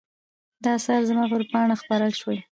دا آثار زما پر پاڼه خپاره شوي.